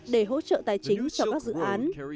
để hỗ trợ tài chính cho các dự án